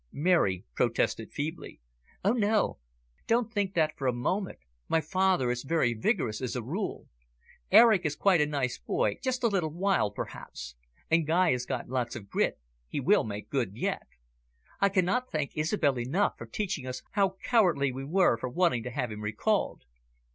Mary protested feebly. "Oh, no, don't think that for a moment. My father is very vigorous as a rule. Eric is quite a nice boy, just a little wild, perhaps. And Guy has got lots of grit; he will make good yet. I cannot thank Isobel enough for teaching us how cowardly we were for wanting to have him recalled."